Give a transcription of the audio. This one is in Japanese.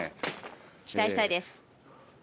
期待したいです。